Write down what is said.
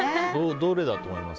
どれだと思います？